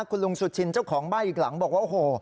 คุณลุงสุชินเจ้าของบ้านอีกหลังบอกว่าโอ้โห